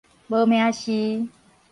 無名氏